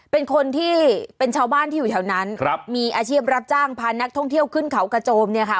เป็นคนที่เป็นชาวบ้านที่อยู่แถวนั้นครับมีอาชีพรับจ้างพานักท่องเที่ยวขึ้นเขากระโจมเนี่ยค่ะ